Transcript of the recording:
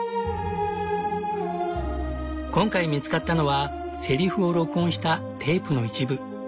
今回見つかったのはセリフを録音したテープの一部。